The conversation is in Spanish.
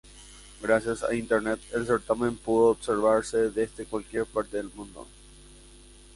Gracias a internet, el certamen pudo observarse desde cualquier parte del mundo.